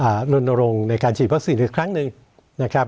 รณรงค์ในการฉีดวัคซีนอีกครั้งหนึ่งนะครับ